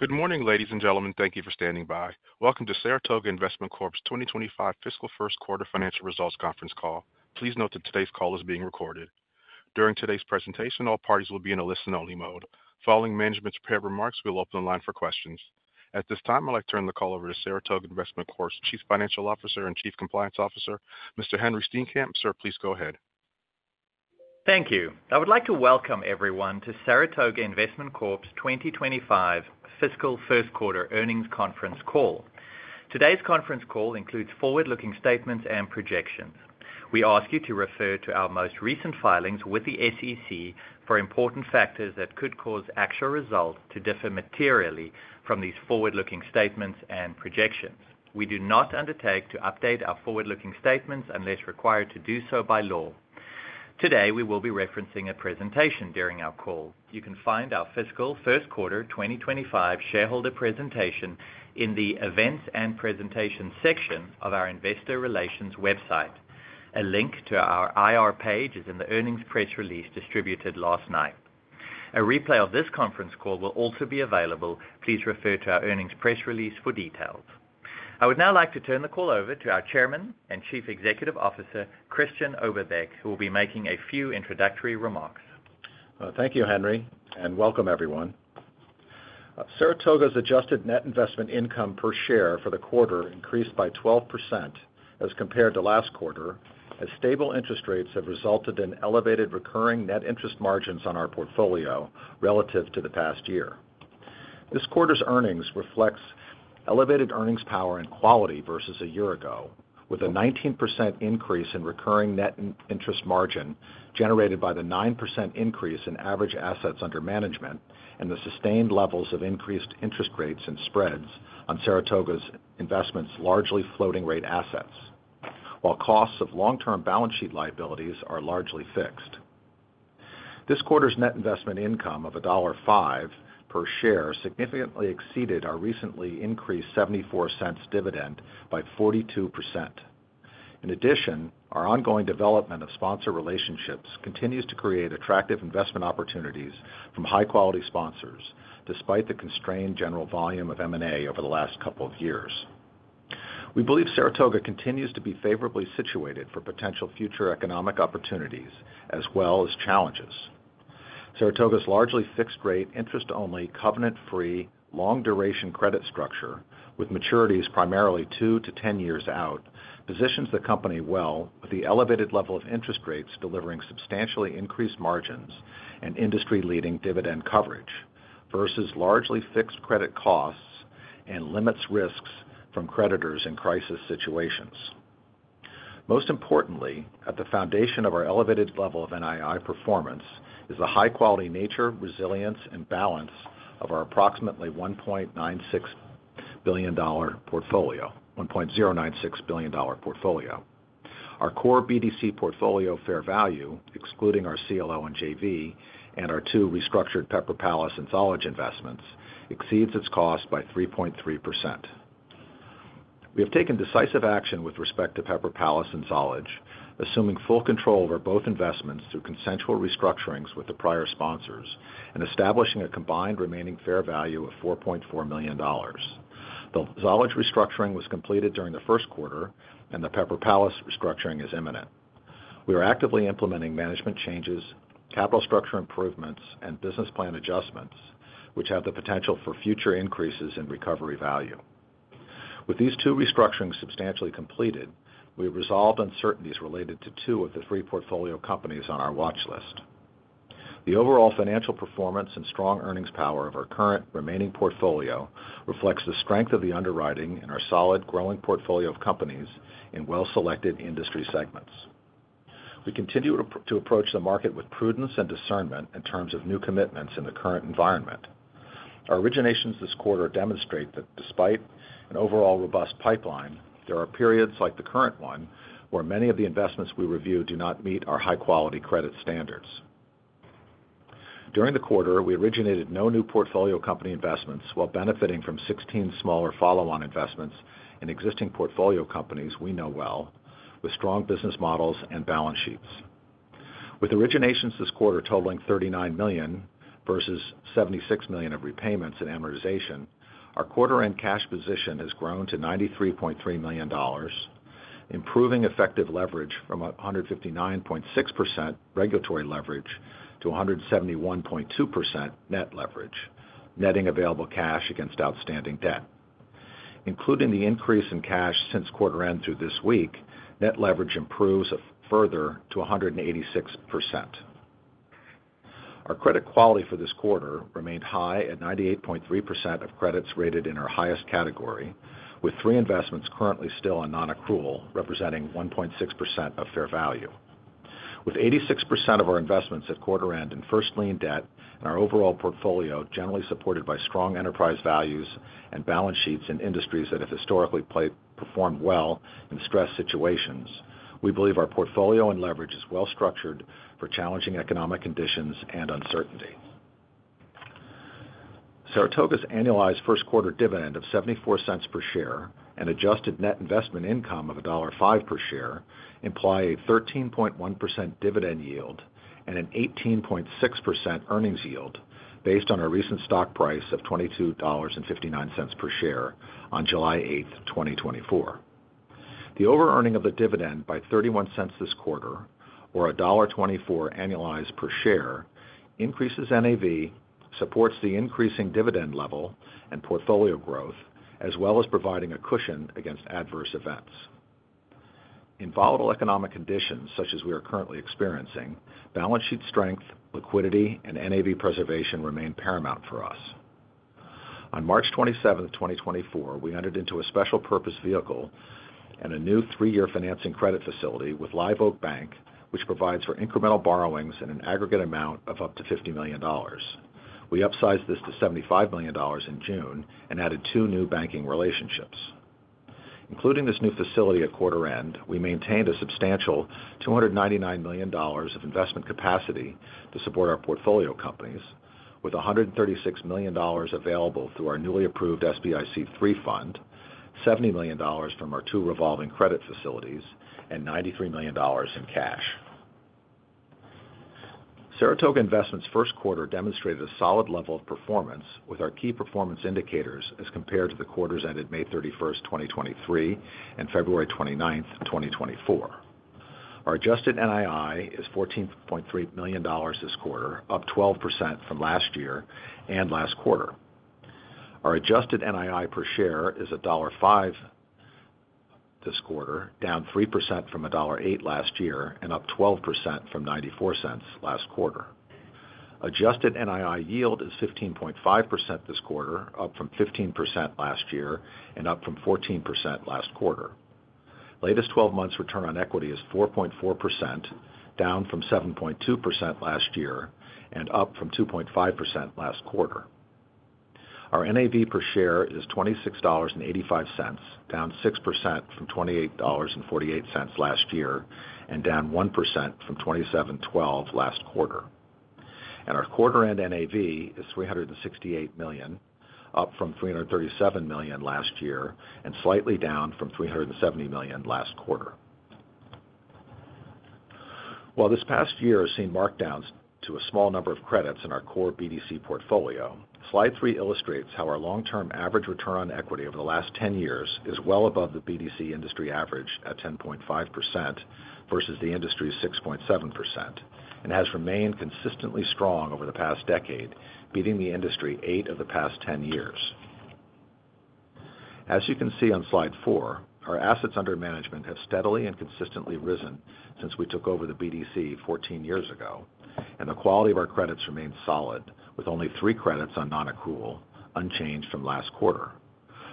Good morning, ladies and gentlemen. Thank you for standing by. Welcome to Saratoga Investment Corp's 2025 Fiscal First Quarter Financial Results conference call. Please note that today's call is being recorded. During today's presentation, all parties will be in a listen-only mode. Following management's prepared remarks, we'll open the line for questions. At this time, I'd like to turn the call over to Saratoga Investment Corp's Chief Financial Officer and Chief Compliance Officer, Mr. Henri Steenkamp. Sir, please go ahead. Thank you. I would like to welcome everyone to Saratoga Investment Corp's 2025 Fiscal First Quarter Earnings conference call. Today's conference call includes forward-looking statements and projections. We ask you to refer to our most recent filings with the SEC for important factors that could cause actual results to differ materially from these forward-looking statements and projections. We do not undertake to update our forward-looking statements unless required to do so by law. Today, we will be referencing a presentation during our call. You can find our Fiscal First Quarter 2025 shareholder presentation in the Events and Presentations section of our Investor Relations website. A link to our IR page is in the earnings press release distributed last night. A replay of this conference call will also be available. Please refer to our earnings press release for details. I would now like to turn the call over to our Chairman and Chief Executive Officer, Christian Oberbeck, who will be making a few introductory remarks. Thank you, Henri, and welcome, everyone. Saratoga's adjusted net investment income per share for the quarter increased by 12% as compared to last quarter, as stable interest rates have resulted in elevated recurring net interest margins on our portfolio relative to the past year. This quarter's earnings reflects elevated earnings power and quality versus a year ago, with a 19% increase in recurring net interest margin generated by the 9% increase in average assets under management and the sustained levels of increased interest rates and spreads on Saratoga's investments' largely floating-rate assets, while costs of long-term balance sheet liabilities are largely fixed. This quarter's net investment income of $1.05 per share significantly exceeded our recently increased $0.74 dividend by 42%. In addition, our ongoing development of sponsor relationships continues to create attractive investment opportunities from high-quality sponsors, despite the constrained general volume of M&A over the last couple of years. We believe Saratoga continues to be favorably situated for potential future economic opportunities as well as challenges. Saratoga's largely fixed-rate, interest-only, covenant-free, long-duration credit structure, with maturities primarily 2 to 10 years out, positions the company well with the elevated level of interest rates delivering substantially increased margins and industry-leading dividend coverage versus largely fixed credit costs and limits risks from creditors in crisis situations. Most importantly, at the foundation of our elevated level of NII performance is the high-quality nature, resilience, and balance of our approximately $1.096 billion portfolio. Our core BDC portfolio fair value, excluding our CLO and JV, and our two restructured Pepper Palace and Zollege investments exceeds its cost by 3.3%. We have taken decisive action with respect to Pepper Palace and Zollege, assuming full control over both investments through consensual restructurings with the prior sponsors and establishing a combined remaining fair value of $4.4 million. The Zollege restructuring was completed during the first quarter, and the Pepper Palace restructuring is imminent. We are actively implementing management changes, capital structure improvements, and business plan adjustments, which have the potential for future increases in recovery value. With these two restructurings substantially completed, we have resolved uncertainties related to two of the three portfolio companies on our watch list. The overall financial performance and strong earnings power of our current remaining portfolio reflects the strength of the underwriting and our solid, growing portfolio of companies in well-selected industry segments. We continue to approach the market with prudence and discernment in terms of new commitments in the current environment. Our originations this quarter demonstrate that despite an overall robust pipeline, there are periods like the current one where many of the investments we review do not meet our high-quality credit standards. During the quarter, we originated no new portfolio company investments while benefiting from 16 smaller follow-on investments in existing portfolio companies we know well, with strong business models and balance sheets. With originations this quarter totaling $39 million versus $76 million of repayments and amortization, our quarter-end cash position has grown to $93.3 million, improving effective leverage from 159.6% regulatory leverage to 171.2% net leverage, netting available cash against outstanding debt. Including the increase in cash since quarter-end through this week, net leverage improves further to 186%. Our credit quality for this quarter remained high at 98.3% of credits rated in our highest category, with three investments currently still on non-accrual, representing 1.6% of fair value. With 86% of our investments at quarter-end in first lien debt and our overall portfolio generally supported by strong enterprise values and balance sheets in industries that have historically performed well in stress situations, we believe our portfolio and leverage is well-structured for challenging economic conditions and uncertainty. Saratoga's annualized first quarter dividend of $0.74 per share and adjusted net investment income of $1.05 per share imply a 13.1% dividend yield and an 18.6% earnings yield based on our recent stock price of $22.59 per share on July 8, 2024. The over-earning of the dividend by $0.31 this quarter, or $1.24 annualized per share, increases NAV, supports the increasing dividend level and portfolio growth, as well as providing a cushion against adverse events. In volatile economic conditions, such as we are currently experiencing, balance sheet strength, liquidity, and NAV preservation remain paramount for us. On March 27, 2024, we entered into a special purpose vehicle and a new three-year financing credit facility with Live Oak Bank, which provides for incremental borrowings in an aggregate amount of up to $50 million. We upsized this to $75 million in June and added two new banking relationships. Including this new facility at quarter-end, we maintained a substantial $299 million of investment capacity to support our portfolio companies, with $136 million available through our newly approved SBIC III fund, $70 million from our two revolving credit facilities, and $93 million in cash. Saratoga Investment's first quarter demonstrated a solid level of performance with our key performance indicators as compared to the quarters ended May 31, 2023, and February 29, 2024. Our adjusted NII is $14.3 million this quarter, up 12% from last year and last quarter. Our adjusted NII per share is $1.05 this quarter, down 3% from $1.08 last year and up 12% from $0.94 last quarter. Adjusted NII yield is 15.5% this quarter, up from 15% last year and up from 14% last quarter. Latest 12 months' return on equity is 4.4%, down from 7.2% last year and up from 2.5% last quarter. Our NAV per share is $26.85, down 6% from $28.48 last year and down 1% from $27.12 last quarter. Our quarter-end NAV is $368 million, up from $337 million last year and slightly down from $370 million last quarter. While this past year has seen markdowns to a small number of credits in our core BDC portfolio, slide 3 illustrates how our long-term average return on equity over the last 10 years is well above the BDC industry average at 10.5% versus the industry's 6.7% and has remained consistently strong over the past decade, beating the industry eight of the past 10 years. As you can see on slide four, our assets under management have steadily and consistently risen since we took over the BDC 14 years ago, and the quality of our credits remains solid, with only three credits on non-accrual, unchanged from last quarter.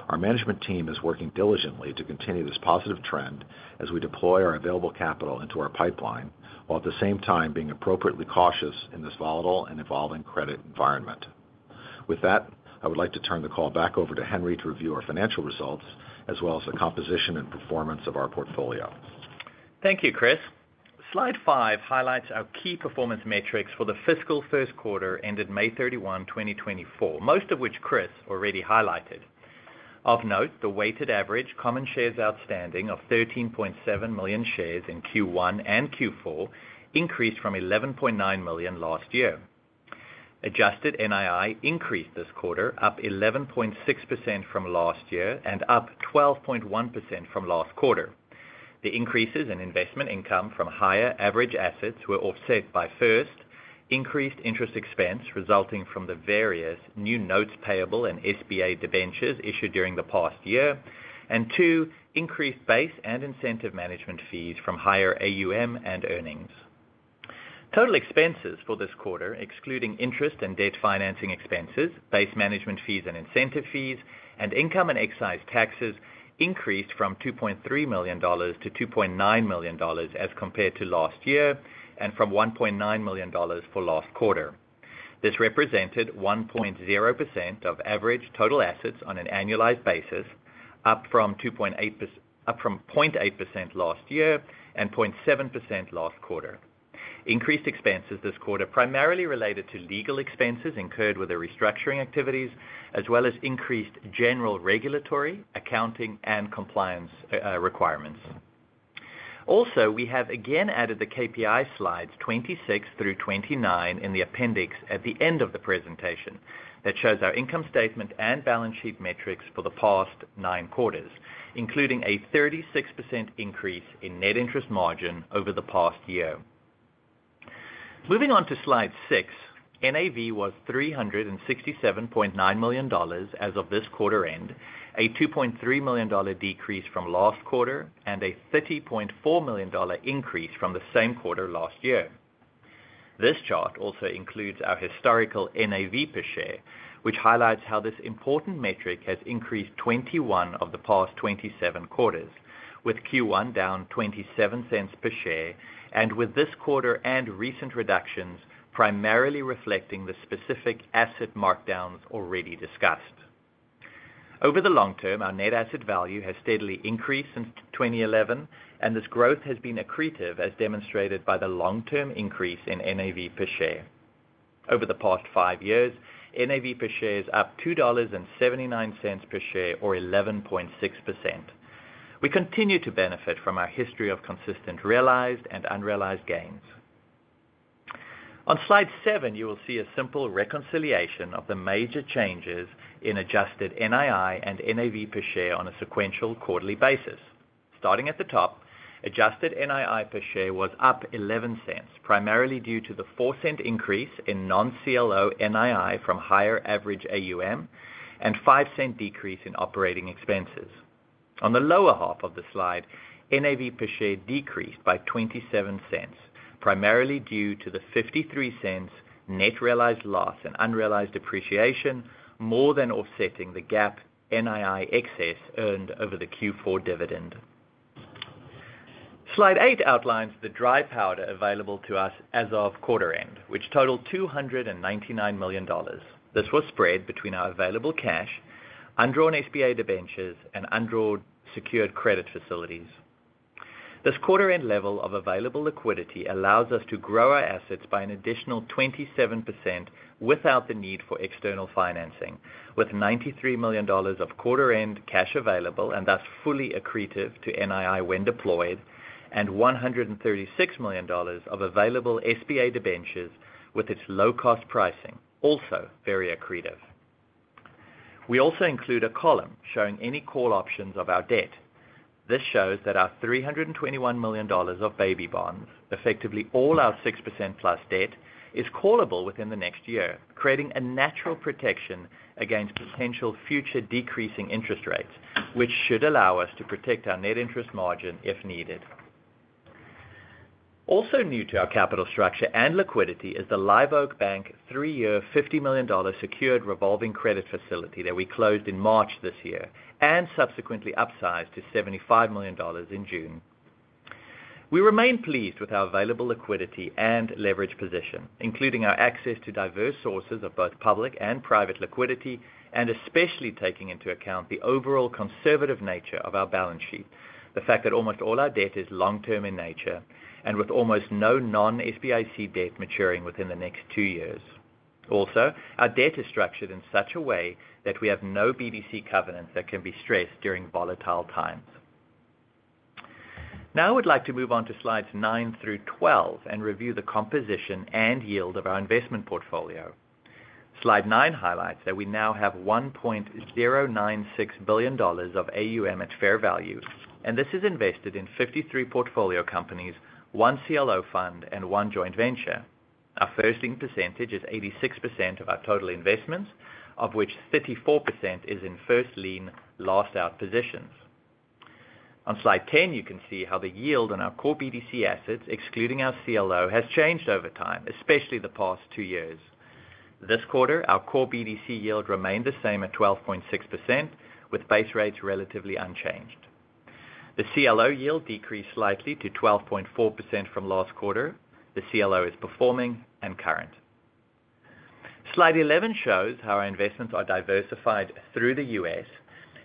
Our management team is working diligently to continue this positive trend as we deploy our available capital into our pipeline while at the same time being appropriately cautious in this volatile and evolving credit environment. With that, I would like to turn the call back over to Henri to review our financial results as well as the composition and performance of our portfolio. Thank you, Chris. Slide five highlights our key performance metrics for the fiscal first quarter ended May 31, 2024, most of which Chris already highlighted. Of note, the weighted average common shares outstanding of 13.7 million shares in Q1 and Q4 increased from 11.9 million last year. Adjusted NII increased this quarter, up 11.6% from last year and up 12.1% from last quarter. The increases in investment income from higher average assets were offset by, first, increased interest expense resulting from the various new notes payable and SBA debentures issued during the past year, and two, increased base and incentive management fees from higher AUM and earnings. Total expenses for this quarter, excluding interest and debt financing expenses, base management fees and incentive fees, and income and excise taxes, increased from $2.3 million to $2.9 million as compared to last year and from $1.9 million for last quarter. This represented 1.0% of average total assets on an annualized basis, up from 0.8% last year and 0.7% last quarter. Increased expenses this quarter primarily related to legal expenses incurred with the restructuring activities, as well as increased general regulatory, accounting, and compliance requirements. Also, we have again added the KPI slides 26 through 29 in the appendix at the end of the presentation that shows our income statement and balance sheet metrics for the past nine quarters, including a 36% increase in net interest margin over the past year. Moving on to slide six, NAV was $367.9 million as of this quarter-end, a $2.3 million decrease from last quarter, and a $30.4 million increase from the same quarter last year. This chart also includes our historical NAV per share, which highlights how this important metric has increased 21 of the past 27 quarters, with Q1 down $0.27 per share, and with this quarter and recent reductions primarily reflecting the specific asset markdowns already discussed. Over the long term, our net asset value has steadily increased since 2011, and this growth has been accretive as demonstrated by the long-term increase in NAV per share. Over the past five years, NAV per share is up $2.79 per share, or 11.6%. We continue to benefit from our history of consistent realized and unrealized gains. On slide seven, you will see a simple reconciliation of the major changes in adjusted NII and NAV per share on a sequential quarterly basis. Starting at the top, adjusted NII per share was up $0.11, primarily due to the $0.04 increase in non-CLO NII from higher average AUM and $0.05 decrease in operating expenses. On the lower half of the slide, NAV per share decreased by $0.27, primarily due to the $0.53 net realized loss and unrealized depreciation, more than offsetting the GAAP NII excess earned over the Q4 dividend. Slide eight outlines the dry powder available to us as of quarter-end, which totaled $299 million. This was spread between our available cash, undrawn SBA debentures, and undrawn secured credit facilities. This quarter-end level of available liquidity allows us to grow our assets by an additional 27% without the need for external financing, with $93 million of quarter-end cash available and thus fully accretive to NII when deployed, and $136 million of available SBA debentures with its low-cost pricing, also very accretive. We also include a column showing any call options of our debt. This shows that our $321 million of baby bonds, effectively all our 6% plus debt, is callable within the next year, creating a natural protection against potential future decreasing interest rates, which should allow us to protect our Net Interest Margin if needed. Also new to our capital structure and liquidity is the Live Oak Bank three-year $50 million secured revolving credit facility that we closed in March this year and subsequently upsized to $75 million in June. We remain pleased with our available liquidity and leverage position, including our access to diverse sources of both public and private liquidity, and especially taking into account the overall conservative nature of our balance sheet, the fact that almost all our debt is long-term in nature and with almost no non-SBIC debt maturing within the next two years. Also, our debt is structured in such a way that we have no BDC covenants that can be stressed during volatile times. Now I would like to move on to slides nine through 12 and review the composition and yield of our investment portfolio. Slide nine highlights that we now have $1.096 billion of AUM at fair value, and this is invested in 53 portfolio companies, one CLO fund, and one joint venture. Our first-lien percentage is 86% of our total investments, of which 34% is in first lien, last out positions. On slide 10, you can see how the yield on our core BDC assets, excluding our CLO, has changed over time, especially the past two years. This quarter, our core BDC yield remained the same at 12.6%, with base rates relatively unchanged. The CLO yield decreased slightly to 12.4% from last quarter. The CLO is performing and current. slide 11 shows how our investments are diversified through the U.S.,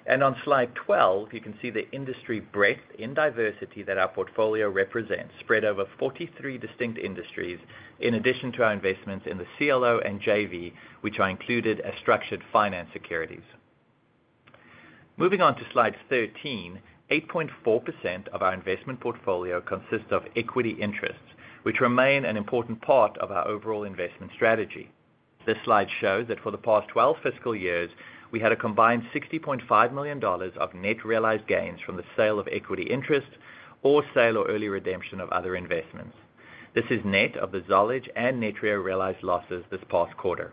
and on slide 12, you can see the industry breadth in diversity that our portfolio represents, spread over 43 distinct industries, in addition to our investments in the CLO and JV, which are included as structured finance securities. Moving on to slide 13, 8.4% of our investment portfolio consists of equity interests, which remain an important part of our overall investment strategy. This slide shows that for the past 12 fiscal years, we had a combined $60.5 million of net realized gains from the sale of equity interest or sale or early redemption of other investments. This is net of the Zollege and net realized losses this past quarter.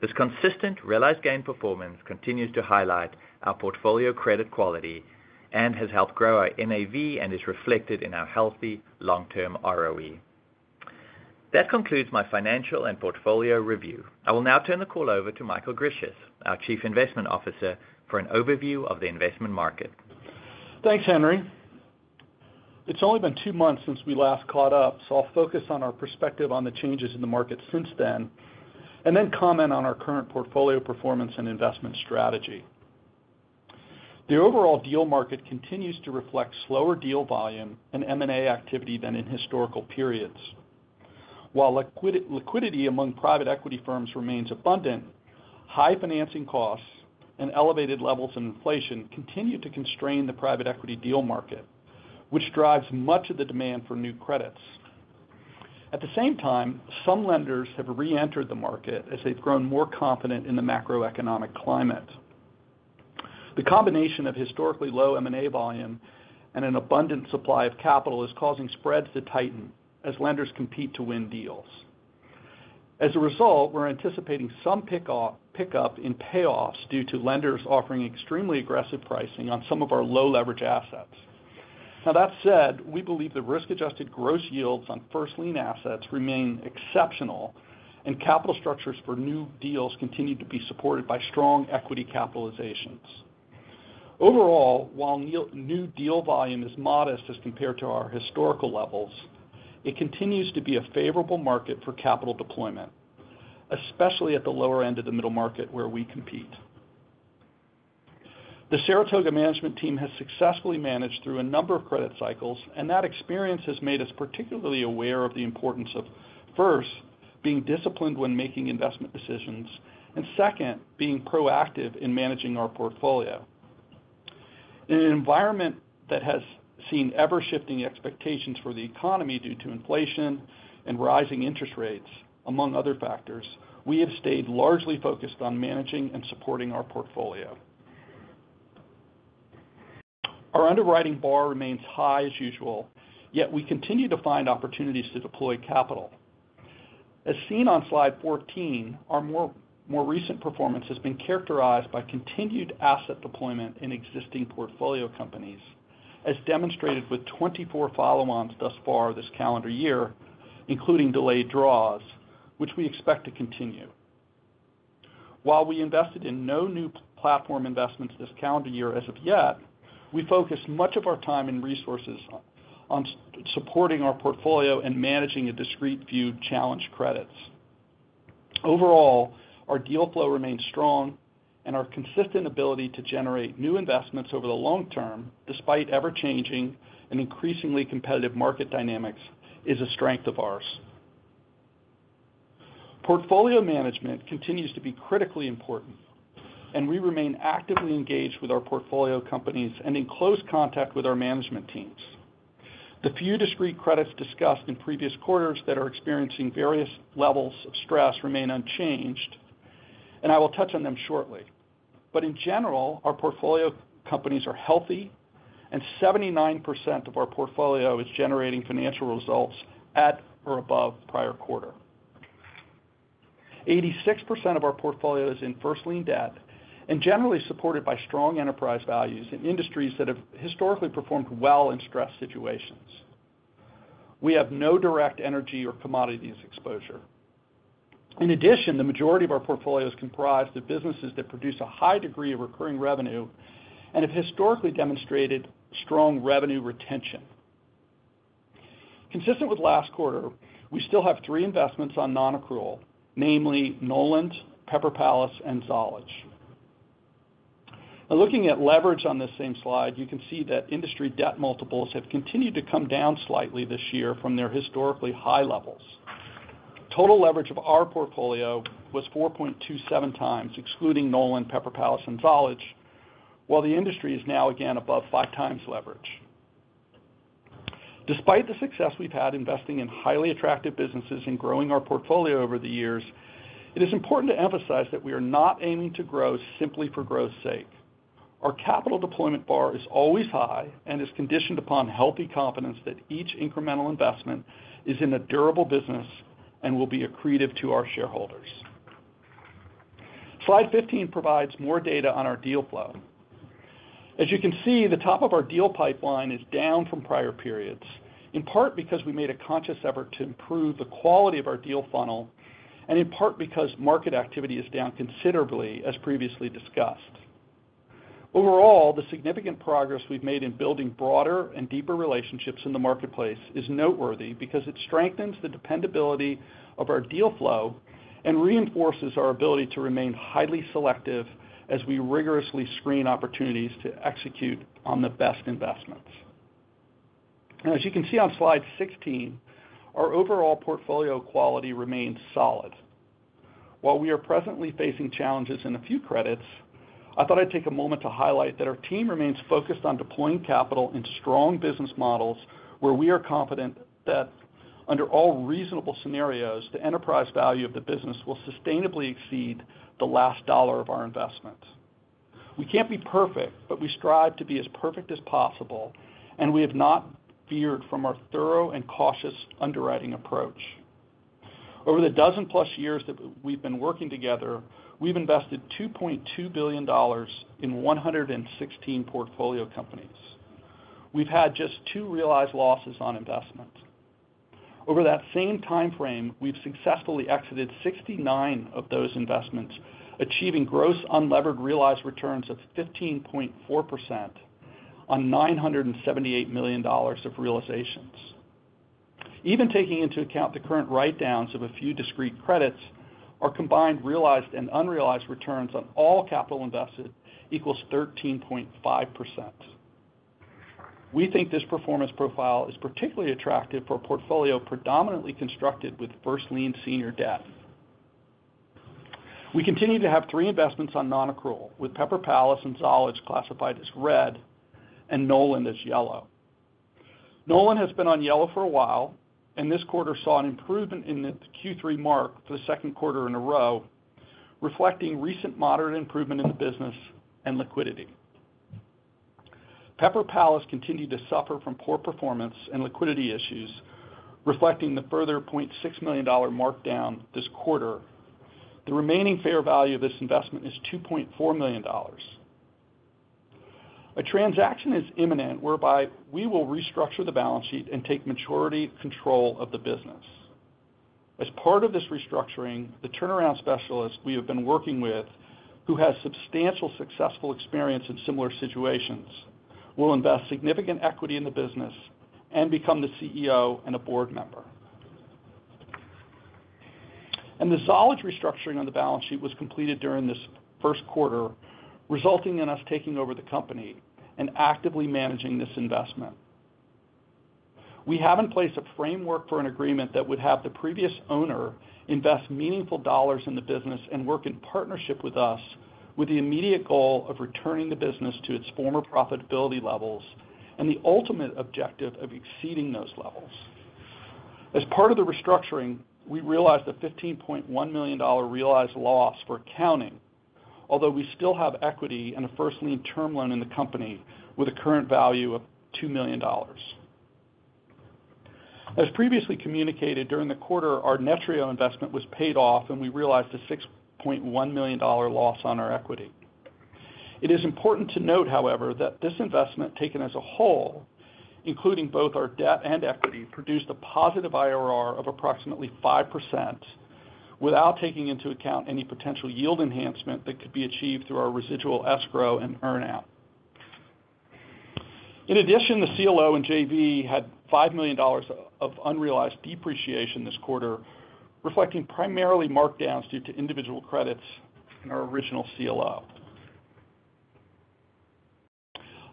This consistent realized gain performance continues to highlight our portfolio credit quality and has helped grow our NAV and is reflected in our healthy long-term ROE. That concludes my financial and portfolio review. I will now turn the call over to Michael Grisius, our Chief Investment Officer, for an overview of the investment market. Thanks, Henri. It's only been two months since we last caught up, so I'll focus on our perspective on the changes in the market since then and then comment on our current portfolio performance and investment strategy. The overall deal market continues to reflect slower deal volume and M&A activity than in historical periods. While liquidity among private equity firms remains abundant, high financing costs and elevated levels of inflation continue to constrain the private equity deal market, which drives much of the demand for new credits. At the same time, some lenders have re-entered the market as they've grown more confident in the macroeconomic climate. The combination of historically low M&A volume and an abundant supply of capital is causing spreads to tighten as lenders compete to win deals. As a result, we're anticipating some pickup in payoffs due to lenders offering extremely aggressive pricing on some of our low-leverage assets. Now, that said, we believe the risk-adjusted gross yields on first-lien assets remain exceptional, and capital structures for new deals continue to be supported by strong equity capitalizations. Overall, while new deal volume is modest as compared to our historical levels, it continues to be a favorable market for capital deployment, especially at the lower end of the middle market where we compete. The Saratoga Management Team has successfully managed through a number of credit cycles, and that experience has made us particularly aware of the importance of, first, being disciplined when making investment decisions, and second, being proactive in managing our portfolio. In an environment that has seen ever-shifting expectations for the economy due to inflation and rising interest rates, among other factors, we have stayed largely focused on managing and supporting our portfolio. Our underwriting bar remains high as usual, yet we continue to find opportunities to deploy capital. As seen on slide 14, our more recent performance has been characterized by continued asset deployment in existing portfolio companies, as demonstrated with 24 follow-ons thus far this calendar year, including delayed draws, which we expect to continue. While we invested in no new platform investments this calendar year as of yet, we focused much of our time and resources on supporting our portfolio and managing a discrete few challenge credits. Overall, our deal flow remains strong, and our consistent ability to generate new investments over the long term, despite ever-changing and increasingly competitive market dynamics, is a strength of ours. Portfolio management continues to be critically important, and we remain actively engaged with our portfolio companies and in close contact with our management teams. The few discrete credits discussed in previous quarters that are experiencing various levels of stress remain unchanged, and I will touch on them shortly. But in general, our portfolio companies are healthy, and 79% of our portfolio is generating financial results at or above prior quarter. 86% of our portfolio is in first-lien debt and generally supported by strong enterprise values in industries that have historically performed well in stress situations. We have no direct energy or commodities exposure. In addition, the majority of our portfolios comprise the businesses that produce a high degree of recurring revenue and have historically demonstrated strong revenue retention. Consistent with last quarter, we still have three investments on non-accrual, namely Knowland, Pepper Palace, and Zollege. Now, looking at leverage on this same slide, you can see that industry debt multiples have continued to come down slightly this year from their historically high levels. Total leverage of our portfolio was 4.27x, excluding Knowland, Pepper Palace, and Zollege, while the industry is now again above 5x leverage. Despite the success we've had investing in highly attractive businesses and growing our portfolio over the years, it is important to emphasize that we are not aiming to grow simply for growth's sake. Our capital deployment bar is always high and is conditioned upon healthy confidence that each incremental investment is in a durable business and will be accretive to our shareholders. Slide 15 provides more data on our deal flow. As you can see, the top of our deal pipeline is down from prior periods, in part because we made a conscious effort to improve the quality of our deal funnel and in part because market activity is down considerably, as previously discussed. Overall, the significant progress we've made in building broader and deeper relationships in the marketplace is noteworthy because it strengthens the dependability of our deal flow and reinforces our ability to remain highly selective as we rigorously screen opportunities to execute on the best investments. As you can see on slide 16, our overall portfolio quality remains solid. While we are presently facing challenges in a few credits, I thought I'd take a moment to highlight that our team remains focused on deploying capital in strong business models where we are confident that under all reasonable scenarios, the enterprise value of the business will sustainably exceed the last dollar of our investments. We can't be perfect, but we strive to be as perfect as possible, and we have not veered from our thorough and cautious underwriting approach. Over the dozen-plus years that we've been working together, we've invested $2.2 billion in 116 portfolio companies. We've had just two realized losses on investments. Over that same time frame, we've successfully exited 69 of those investments, achieving gross unlevered realized returns of 15.4% on $978 million of realizations. Even taking into account the current write-downs of a few discrete credits, our combined realized and unrealized returns on all capital invested equals 13.5%. We think this performance profile is particularly attractive for a portfolio predominantly constructed with first-lien senior debt. We continue to have three investments on non-accrual, with Pepper Palace and Zollege classified as red and Knowland as yellow. Knowland has been on yellow for a while, and this quarter saw an improvement in the Q3 mark for the second quarter in a row, reflecting recent moderate improvement in the business and liquidity. Pepper Palace continued to suffer from poor performance and liquidity issues, reflecting the further $0.6 million markdown this quarter. The remaining fair value of this investment is $2.4 million. A transaction is imminent whereby we will restructure the balance sheet and take maturity control of the business. As part of this restructuring, the turnaround specialist we have been working with, who has substantial successful experience in similar situations, will invest significant equity in the business and become the CEO and a board member. The Zollege restructuring on the balance sheet was completed during this first quarter, resulting in us taking over the company and actively managing this investment. We have in place a framework for an agreement that would have the previous owner invest meaningful dollars in the business and work in partnership with us, with the immediate goal of returning the business to its former profitability levels and the ultimate objective of exceeding those levels. As part of the restructuring, we realized the $15.1 million realized loss for accounting, although we still have equity and a first-lien term loan in the company with a current value of $2 million. As previously communicated, during the quarter, our Netreo investment was paid off, and we realized a $6.1 million loss on our equity. It is important to note, however, that this investment taken as a whole, including both our debt and equity, produced a positive IRR of approximately 5% without taking into account any potential yield enhancement that could be achieved through our residual escrow and earn-out. In addition, the CLO and JV had $5 million of unrealized depreciation this quarter, reflecting primarily markdowns due to individual credits in our original CLO.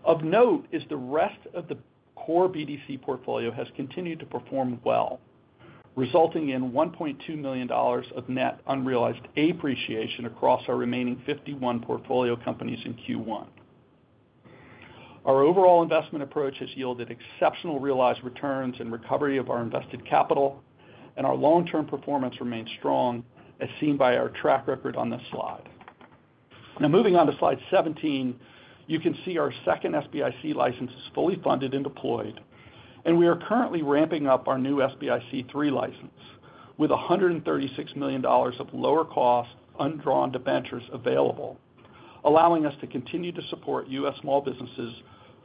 Of note is the rest of the core BDC portfolio has continued to perform well, resulting in $1.2 million of net unrealized appreciation across our remaining 51 portfolio companies in Q1. Our overall investment approach has yielded exceptional realized returns and recovery of our invested capital, and our long-term performance remains strong, as seen by our track record on this slide. Now, moving on to slide 17, you can see our second SBIC license is fully funded and deployed, and we are currently ramping up our new SBIC III license with $136 million of lower-cost undrawn to ventures available, allowing us to continue to support U.S. small businesses,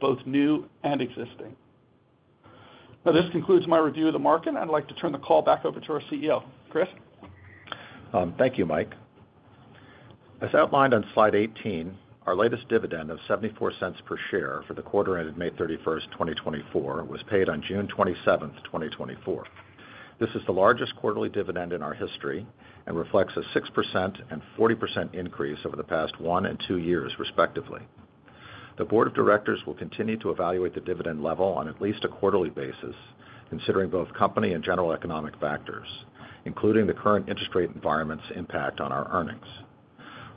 both new and existing. Now, this concludes my review of the market, and I'd like to turn the call back over to our CEO, Chris. Thank you, Mike. As outlined on slide 18, our latest dividend of $0.74 per share for the quarter ended May 31, 2024, was paid on June 27, 2024. This is the largest quarterly dividend in our history and reflects a 6% and 40% increase over the past one and two years, respectively. The Board of Directors will continue to evaluate the dividend level on at least a quarterly basis, considering both company and general economic factors, including the current interest rate environment's impact on our earnings.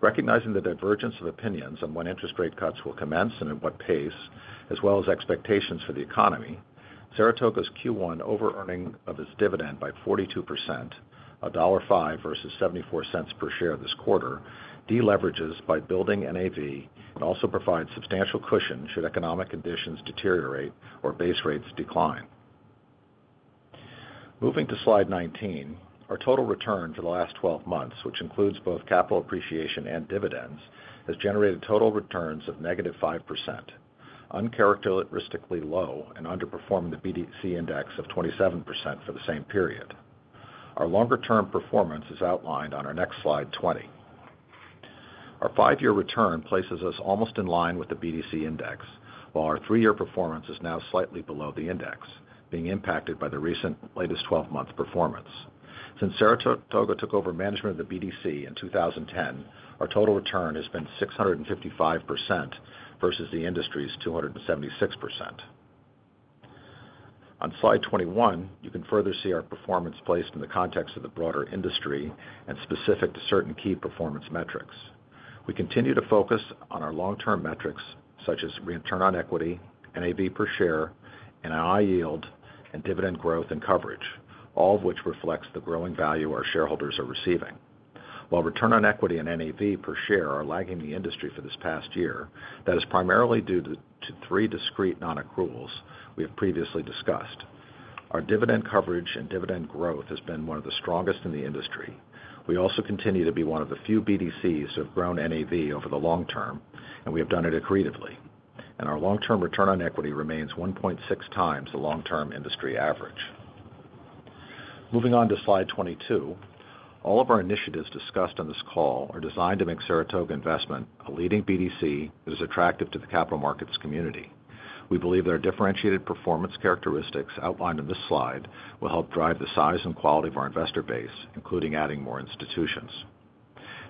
Recognizing the divergence of opinions on when interest rate cuts will commence and at what pace, as well as expectations for the economy, Saratoga's Q1 over-earning of its dividend by 42%, $1.05 versus $0.74 per share this quarter, deleverages by building NAV and also provides substantial cushion should economic conditions deteriorate or base rates decline. Moving to slide 19, our total return for the last 12 months, which includes both capital appreciation and dividends, has generated total returns of -5%, uncharacteristically low and underperforming the BDC index of 27% for the same period. Our longer-term performance is outlined on our next slide 20. Our 5-year return places us almost in line with the BDC index, while our 3-year performance is now slightly below the index, being impacted by the recent latest 12-month performance. Since Saratoga took over management of the BDC in 2010, our total return has been 655% versus the industry's 276%. On slide 21, you can further see our performance placed in the context of the broader industry and specific to certain key performance metrics. We continue to focus on our long-term metrics, such as return on equity, NAV per share, NII yield, and dividend growth and coverage, all of which reflects the growing value our shareholders are receiving. While return on equity and NAV per share are lagging the industry for this past year, that is primarily due to three discrete non-accruals we have previously discussed. Our dividend coverage and dividend growth has been one of the strongest in the industry. We also continue to be one of the few BDCs to have grown NAV over the long term, and we have done it accretively. And our long-term return on equity remains 1.6 times the long-term industry average. Moving on to slide 22, all of our initiatives discussed on this call are designed to make Saratoga Investment a leading BDC that is attractive to the capital markets community. We believe their differentiated performance characteristics outlined on this slide will help drive the size and quality of our investor base, including adding more institutions.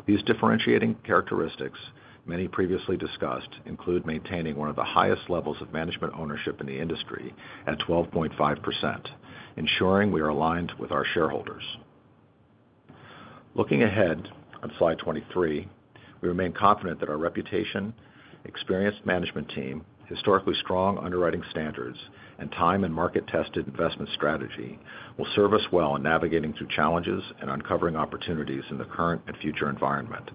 These differentiating characteristics, many previously discussed, include maintaining one of the highest levels of management ownership in the industry at 12.5%, ensuring we are aligned with our shareholders. Looking ahead on slide 23, we remain confident that our reputation, experienced management team, historically strong underwriting standards, and time and market-tested investment strategy will serve us well in navigating through challenges and uncovering opportunities in the current and future environment,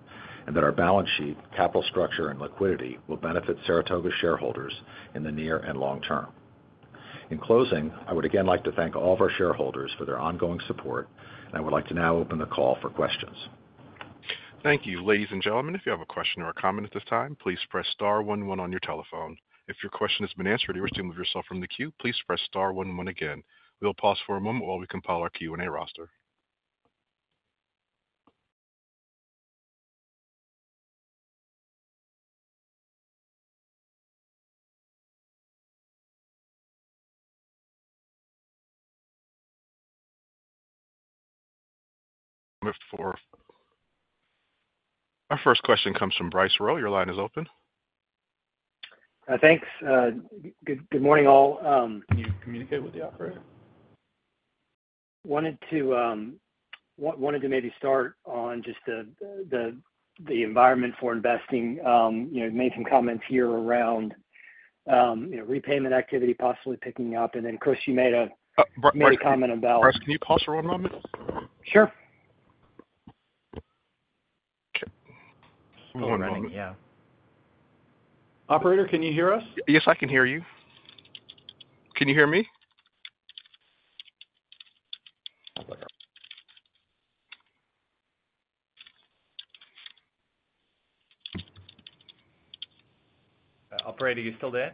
and that our balance sheet, capital structure, and liquidity will benefit Saratoga shareholders in the near and long term. In closing, I would again like to thank all of our shareholders for their ongoing support, and I would like to now open the call for questions. Thank you. Ladies and gentlemen, if you have a question or a comment at this time, please press star 11 on your telephone. If your question has been answered or you wish to move yourself from the queue, please press star 11 again. We'll pause for a moment while we compile our Q&A roster. Our first question comes from Bryce Rowe. Your line is open. Thanks. Good morning, all. Can you communicate with the operator? Wanted to maybe start on just the environment for investing. You made some comments here around repayment activity possibly picking up. And then, Chris, you made a comment about. Bryce, can you pause for one moment? Sure. One moment. Yeah. Operator, can you hear us? Yes, I can hear you. Can you hear me? Operator, you still there?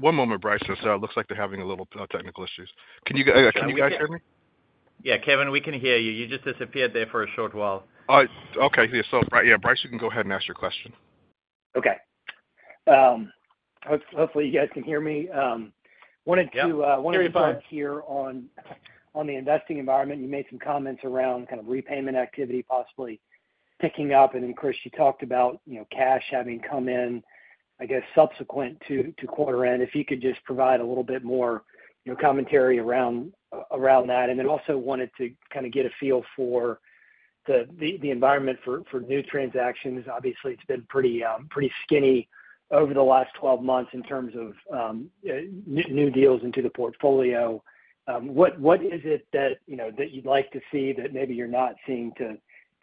One moment, Bryce. It looks like they're having a little technical issues. Can you guys hear me? Yeah, Kevin, we can hear you. You just disappeared there for a short while. Okay. Yeah, Bryce, you can go ahead and ask your question. Okay. Hopefully, you guys can hear me. Wanted to. Very fine. Comment here on the investing environment. You made some comments around kind of repayment activity possibly picking up. And then, Chris, you talked about cash having come in, I guess, subsequent to quarter end. If you could just provide a little bit more commentary around that. And then also wanted to kind of get a feel for the environment for new transactions. Obviously, it's been pretty skinny over the last 12 months in terms of new deals into the portfolio. What is it that you'd like to see that maybe you're not seeing to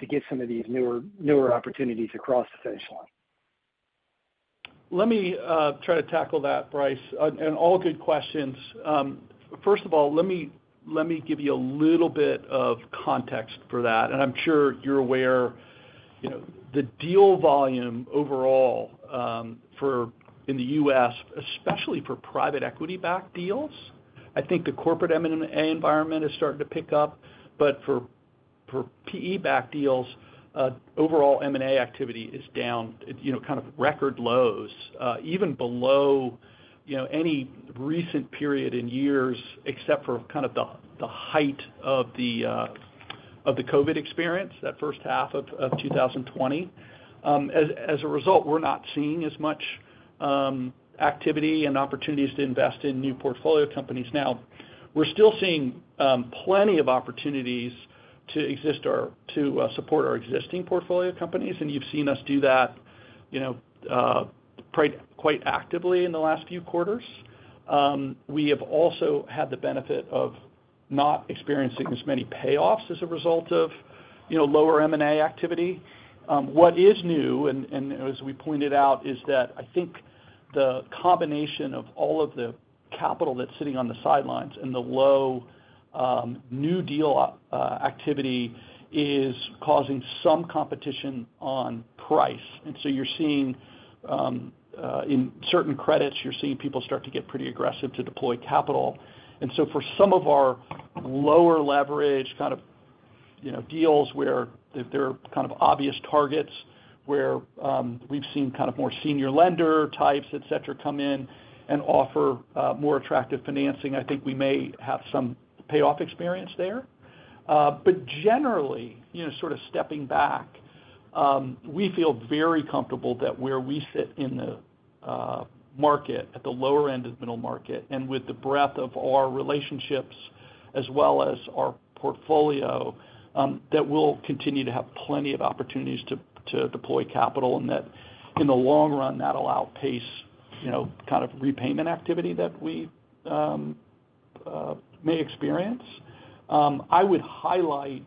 give some of these newer opportunities across the finish line? Let me try to tackle that, Bryce. All good questions. First of all, let me give you a little bit of context for that. I'm sure you're aware, the deal volume overall in the U.S., especially for private equity-backed deals, I think the corporate M&A environment is starting to PIK up. But for PE-backed deals, overall M&A activity is down kind of record lows, even below any recent period in years, except for kind of the height of the COVID experience, that first half of 2020. As a result, we're not seeing as much activity and opportunities to invest in new portfolio companies. Now, we're still seeing plenty of opportunities to support our existing portfolio companies, and you've seen us do that quite actively in the last few quarters. We have also had the benefit of not experiencing as many payoffs as a result of lower M&A activity. What is new, and as we pointed out, is that I think the combination of all of the capital that's sitting on the sidelines and the low new deal activity is causing some competition on price. And so you're seeing in certain credits, you're seeing people start to get pretty aggressive to deploy capital. And so for some of our lower leverage kind of deals where there are kind of obvious targets, where we've seen kind of more senior lender types, etc., come in and offer more attractive financing, I think we may have some payoff experience there. But generally, sort of stepping back, we feel very comfortable that where we sit in the market, at the lower end of the middle market, and with the breadth of our relationships as well as our portfolio, that we'll continue to have plenty of opportunities to deploy capital, and that in the long run, that'll outpace kind of repayment activity that we may experience. I would highlight,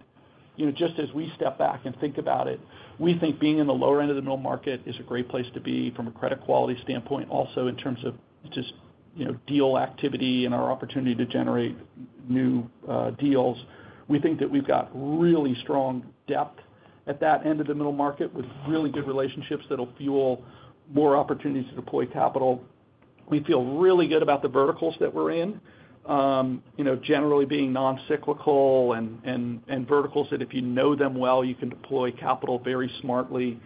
just as we step back and think about it, we think being in the lower end of the middle market is a great place to be from a credit quality standpoint, also in terms of just deal activity and our opportunity to generate new deals. We think that we've got really strong depth at that end of the middle market with really good relationships that'll fuel more opportunities to deploy capital. We feel really good about the verticals that we're in, generally being non-cyclical and verticals that if you know them well, you can deploy capital very smartly.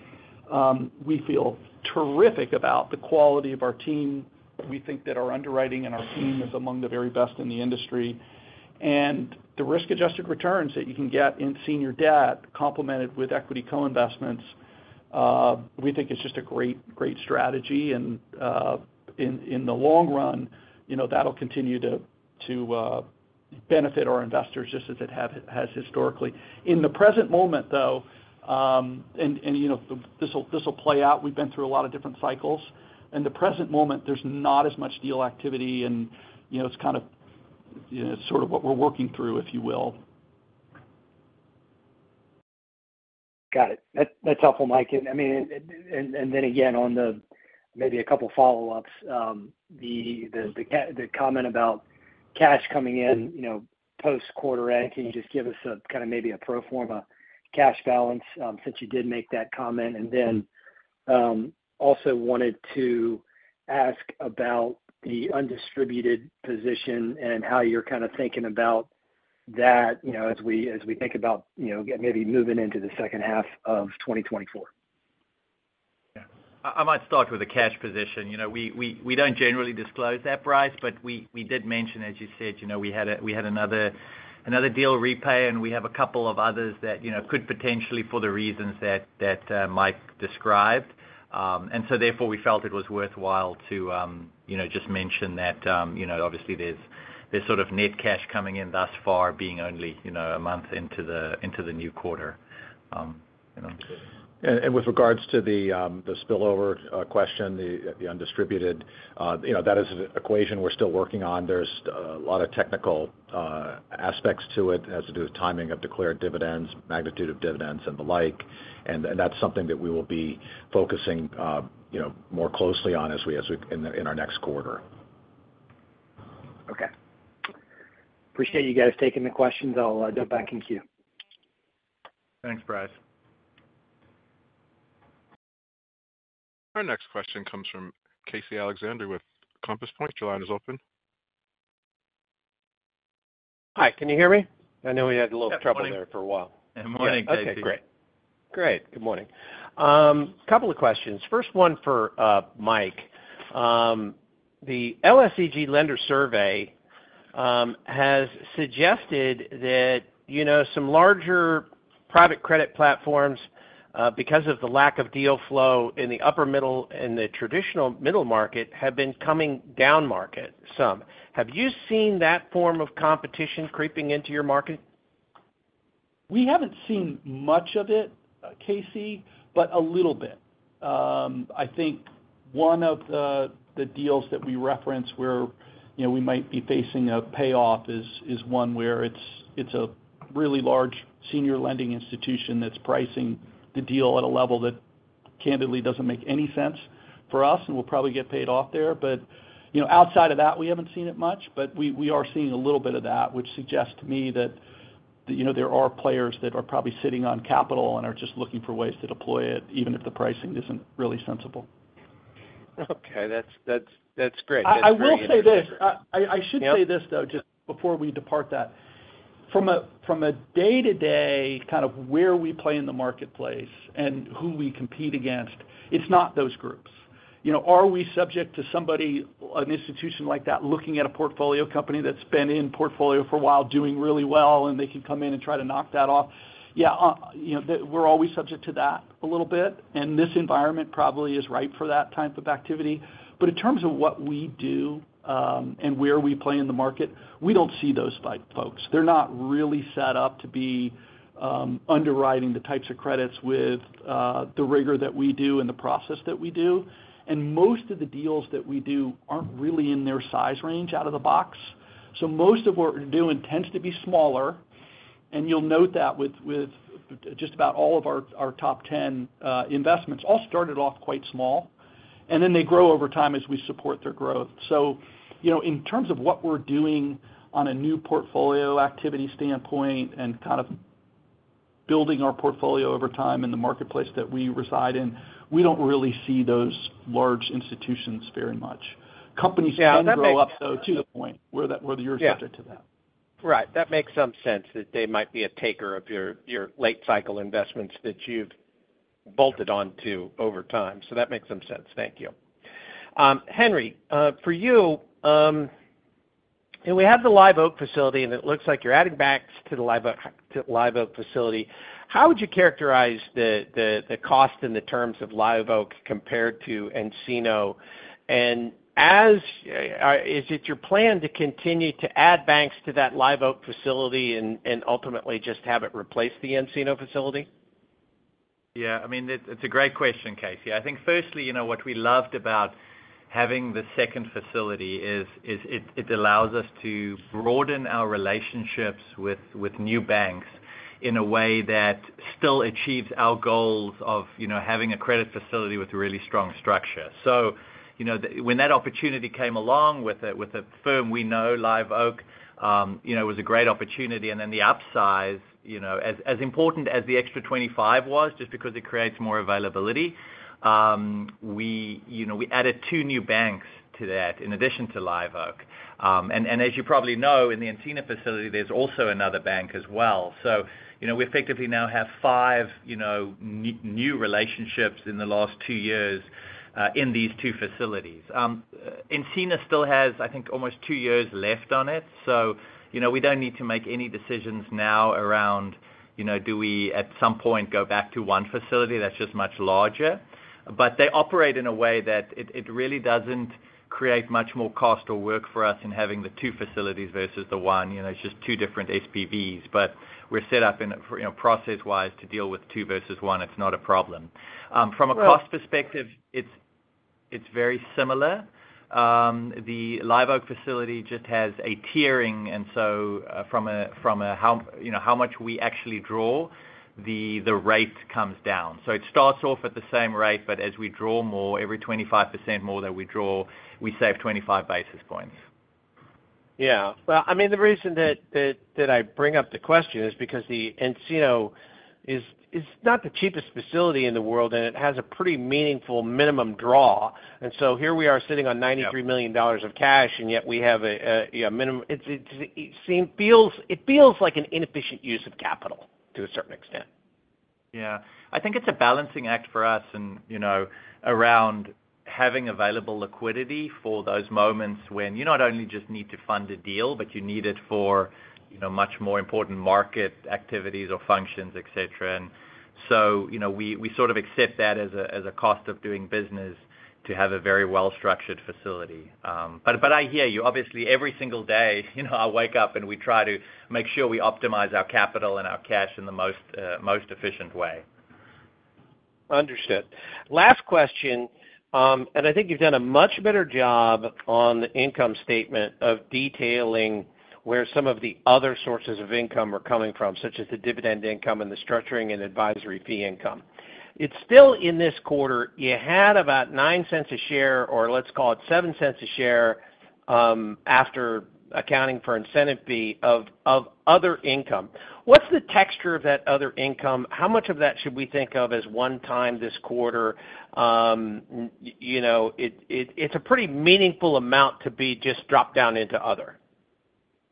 We feel terrific about the quality of our team. We think that our underwriting and our team is among the very best in the industry. And the risk-adjusted returns that you can get in senior debt complemented with equity co-investments, we think it's just a great strategy. And in the long run, that'll continue to benefit our investors just as it has historically. In the present moment, though, and this will play out. We've been through a lot of different cycles. In the present moment, there's not as much deal activity, and it's kind of sort of what we're working through, if you will. Got it. That's helpful, Mike. And then again, on maybe a couple of follow-ups, the comment about cash coming in post-quarter end, can you just give us kind of maybe a pro forma cash balance since you did make that comment? And then also wanted to ask about the undistributed position and how you're kind of thinking about that as we think about maybe moving into the second half of 2024. Yeah. I might start with the cash position. We don't generally disclose that, Bryce, but we did mention, as you said, we had another deal repay, and we have a couple of others that could potentially for the reasons that Mike described. And so therefore, we felt it was worthwhile to just mention that obviously there's sort of net cash coming in thus far, being only a month into the new quarter. With regards to the spillover question, the undistributed, that is an equation we're still working on. There's a lot of technical aspects to it as to the timing of declared dividends, magnitude of dividends, and the like. That's something that we will be focusing more closely on in our next quarter. Okay. Appreciate you guys taking the questions. I'll jump back in queue. Thanks, Bryce. Our next question comes from Casey Alexander with Compass Point. Your line is open. Hi. Can you hear me? I know we had a little trouble there for a while. Good morning, Casey. Okay. Great. Great. Good morning. A couple of questions. First one for Mike. The LSEG lender survey has suggested that some larger private credit platforms, because of the lack of deal flow in the upper middle and the traditional middle market, have been coming down market some. Have you seen that form of competition creeping into your market? We haven't seen much of it, Casey, but a little bit. I think one of the deals that we reference where we might be facing a payoff is one where it's a really large senior lending institution that's pricing the deal at a level that candidly doesn't make any sense for us, and we'll probably get paid off there. But outside of that, we haven't seen it much, but we are seeing a little bit of that, which suggests to me that there are players that are probably sitting on capital and are just looking for ways to deploy it, even if the pricing isn't really sensible. Okay. That's great. That's very good. I will say this. I should say this, though, just before we depart that. From a day-to-day kind of where we play in the marketplace and who we compete against, it's not those groups. Are we subject to somebody, an institution like that, looking at a portfolio company that's been in portfolio for a while doing really well, and they can come in and try to knock that off? Yeah, we're always subject to that a little bit. This environment probably is right for that type of activity. In terms of what we do and where we play in the market, we don't see those folks. They're not really set up to be underwriting the types of credits with the rigor that we do and the process that we do. Most of the deals that we do aren't really in their size range out of the box. So most of what we're doing tends to be smaller. You'll note that with just about all of our top 10 investments all started off quite small, and then they grow over time as we support their growth. In terms of what we're doing on a new portfolio activity standpoint and kind of building our portfolio over time in the marketplace that we reside in, we don't really see those large institutions very much. Companies can grow up, though, to the point where you're subject to that. Right. That makes some sense that they might be a taker of your late-cycle investments that you've bolted onto over time. So that makes some sense. Thank you. Henry, for you, we have the Live Oak facility, and it looks like you're adding banks to the Live Oak facility. How would you characterize the cost in the terms of Live Oak compared to Encina? And is it your plan to continue to add banks to that Live Oak facility and ultimately just have it replace the Encina facility? Yeah. I mean, it's a great question, Casey. I think, firstly, what we loved about having the second facility is it allows us to broaden our relationships with new banks in a way that still achieves our goals of having a credit facility with a really strong structure. So when that opportunity came along with a firm we know, Live Oak, it was a great opportunity. And then the upsize, as important as the extra $25 was, just because it creates more availability, we added two new banks to that in addition to Live Oak. And as you probably know, in the Encina facility, there's also another bank as well. So we effectively now have five new relationships in the last two years in these two facilities. Encina still has, I think, almost two years left on it. So we don't need to make any decisions now around, do we at some point go back to one facility that's just much larger? But they operate in a way that it really doesn't create much more cost or work for us in having the two facilities versus the one. It's just two different SPVs. But we're set up process-wise to deal with two versus one. It's not a problem. From a cost perspective, it's very similar. The Live Oak facility just has a tiering. And so from how much we actually draw, the rate comes down. So it starts off at the same rate, but as we draw more, every 25% more that we draw, we save 25 basis points. Yeah. Well, I mean, the reason that I bring up the question is because the Encina is not the cheapest facility in the world, and it has a pretty meaningful minimum draw. And so here we are sitting on $93 million of cash, and yet we have a minimum. It feels like an inefficient use of capital to a certain extent. Yeah. I think it's a balancing act for us around having available liquidity for those moments when you not only just need to fund a deal, but you need it for much more important market activities or functions, etc. And so we sort of accept that as a cost of doing business to have a very well-structured facility. But I hear you. Obviously, every single day, I wake up, and we try to make sure we optimize our capital and our cash in the most efficient way. Understood. Last question. I think you've done a much better job on the income statement of detailing where some of the other sources of income are coming from, such as the dividend income and the structuring and advisory fee income. It's still in this quarter. You had about $0.09 a share, or let's call it $0.07 a share after accounting for incentive fee of other income. What's the texture of that other income? How much of that should we think of as one time this quarter? It's a pretty meaningful amount to be just dropped down into other.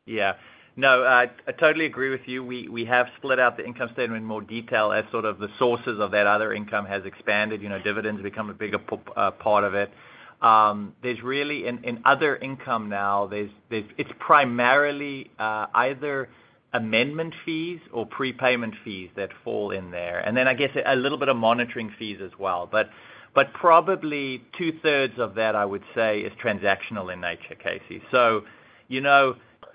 Yeah. No, I totally agree with you. We have split out the income statement in more detail as sort of the sources of that other income has expanded. Dividends have become a bigger part of it. There's really in other income now, it's primarily either amendment fees or prepayment fees that fall in there. And then I guess a little bit of monitoring fees as well. But probably two-thirds of that, I would say, is transactional in nature, Casey. So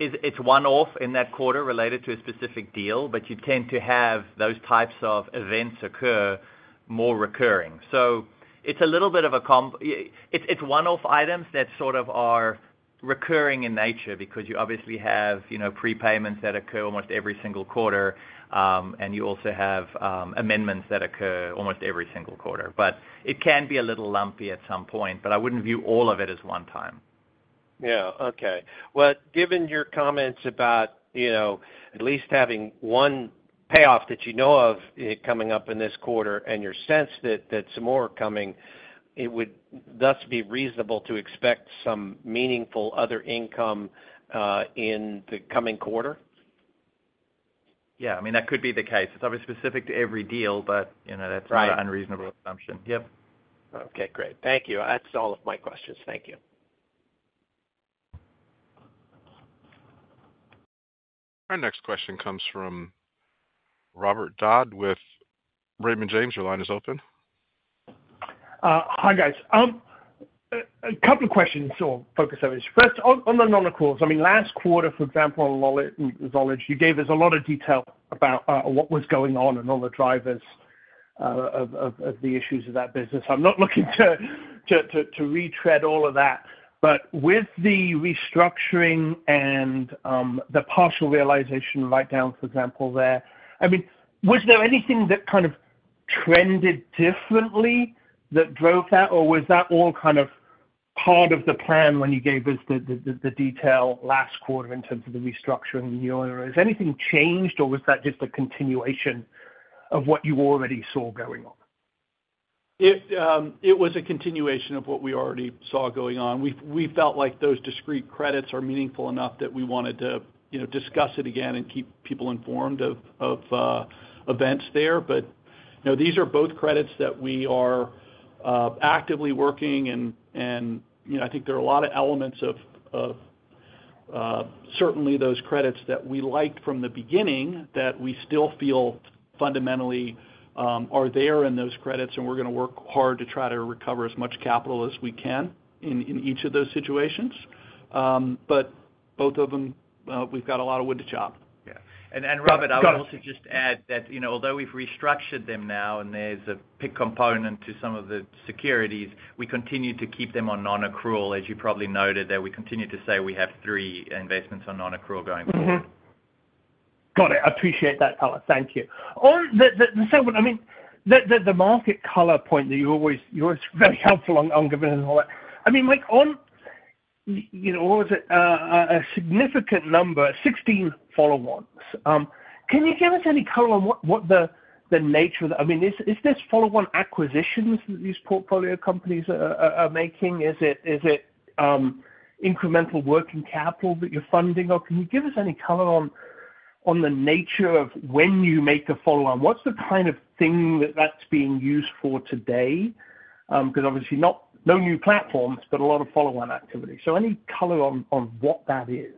it's one-off in that quarter related to a specific deal, but you tend to have those types of events occur more recurring. So it's a little bit of a, it's one-off items that sort of are recurring in nature because you obviously have prepayments that occur almost every single quarter, and you also have amendments that occur almost every single quarter. But it can be a little lumpy at some point, but I wouldn't view all of it as one time. Yeah. Okay. Well, given your comments about at least having one payoff that you know of coming up in this quarter and your sense that some more are coming, it would thus be reasonable to expect some meaningful other income in the coming quarter? Yeah. I mean, that could be the case. It's obviously specific to every deal, but that's not an unreasonable assumption. Yep. Okay. Great. Thank you. That's all of my questions. Thank you. Our next question comes from Robert Dodd with Raymond James. Your line is open. Hi, guys. A couple of questions or focus areas. First, on the non-accruals. I mean, last quarter, for example, on Zollege, you gave us a lot of detail about what was going on and all the drivers of the issues of that business. I'm not looking to retread all of that. But with the restructuring and the partial realization write-down, for example, there, I mean, was there anything that kind of trended differently that drove that, or was that all kind of part of the plan when you gave us the detail last quarter in terms of the restructuring? Is anything changed, or was that just a continuation of what you already saw going on? It was a continuation of what we already saw going on. We felt like those discrete credits are meaningful enough that we wanted to discuss it again and keep people informed of events there. But these are both credits that we are actively working. And I think there are a lot of elements of certainly those credits that we liked from the beginning that we still feel fundamentally are there in those credits, and we're going to work hard to try to recover as much capital as we can in each of those situations. But both of them, we've got a lot of wood to chop. Yeah. And Robert, I would also just add that although we've restructured them now and there's a pick component to some of the securities, we continue to keep them on non-accrual, as you probably noted that we continue to say we have three investments on non-accrual going forward. Got it. I appreciate that, Alex. Thank you. On the second one, I mean, the market color point that you're always very helpful on giving us and all that. I mean, Mike, on what was it? A significant number, 16 follow-ons. Can you give us any color on what the nature of that? I mean, is this follow-on acquisitions that these portfolio companies are making? Is it incremental working capital that you're funding? Or can you give us any color on the nature of when you make a follow-on? What's the kind of thing that that's being used for today? Because obviously, no new platforms, but a lot of follow-on activity. So any color on what that is?